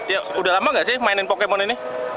ya sudah lama gak sih mainin pokemon ini